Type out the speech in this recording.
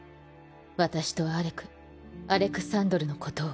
私とアレクアレクサンドルのことを。